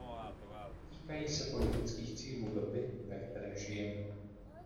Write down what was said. Týkají se politických cílů doby, ve které žijeme.